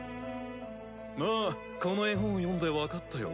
まあこの絵本を読んでわかったよ。